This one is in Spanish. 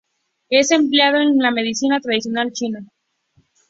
Es empleado en la medicina tradicional china.